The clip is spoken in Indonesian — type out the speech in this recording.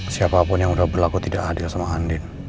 siapapun yang sudah berlaku tidak adil sama andin